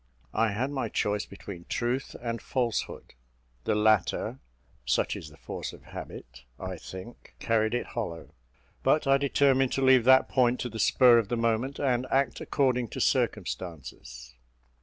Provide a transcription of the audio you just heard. I had my choice between truth and falsehood: the latter (such is the force of habit), I think, carried it hollow; but I determined to leave that point to the spur of the moment, and act according to circumstances.